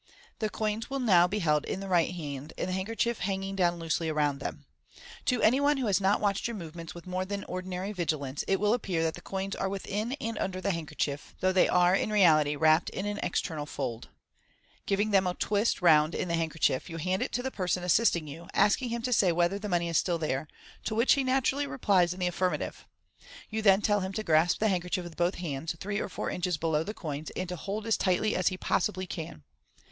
The coins will now be held in the right hand, the hand kerchief hanging down loosely around them. To any one who has not watched your movements with more than ordinary vigilance, it will appear that the coins are within and under the handkerchief, though they are, in reality, wrapped in an external fold. Giving MODERN MAGIC. 169 them a twist round in the handkerchief, you hand it to the person assisting you, asking him to say whether the money is still there, to which he naturally replies in the affirmative. You then tell him to grasp the handkerchief with both hands three or four inches below the coins, and to hold as tightly as he possibly can.